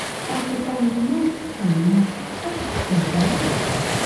¿Atipankimachu shamunata ashwan punchara?